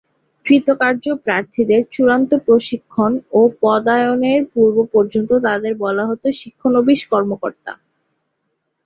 কৃতকার্য প্রার্থীদের চূড়ান্ত প্রশিক্ষণ ও পদায়নের পূর্ব পর্যন্ত তাদের বলা হতো শিক্ষানবিস কর্মকর্তা।